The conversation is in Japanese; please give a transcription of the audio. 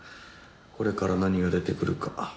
これから何が出てくるか。